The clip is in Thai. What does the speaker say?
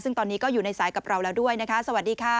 ซึ่งตอนนี้ก็อยู่ในสายกับเราแล้วด้วยนะคะสวัสดีค่ะ